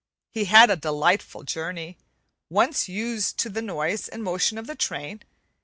He had a delightful journey, once used to the noise and motion of the train.